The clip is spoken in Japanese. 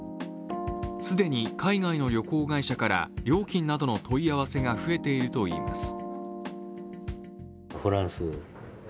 既に海外の旅行会社から料金などの問い合わせが増えているといいます。